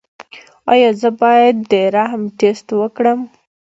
ایا زه باید د رحم ټسټ وکړم؟